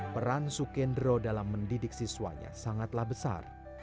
peran sukendro dalam mendidik siswanya sangatlah besar